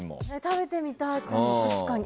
食べてみたいかも、確かに。